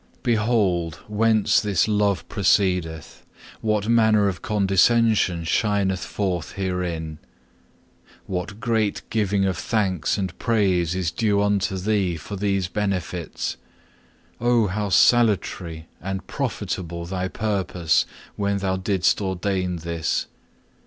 Behold, whence this love proceedeth! what manner of condescension shineth forth herein. What great giving of thanks and praise is due unto Thee for these benefits! Oh how salutary and profitable Thy purpose when Thou didst ordain this!